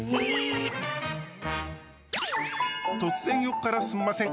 突然、横からすんません。